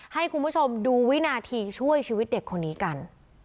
ให้คุณผู้ชมดูวินาทีช่วยชีวิตเด็กคนนี้กัน